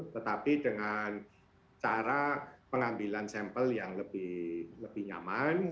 tetapi dengan cara pengambilan sampel yang lebih nyaman